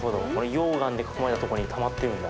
溶岩で囲まれたところにたまってるんだ。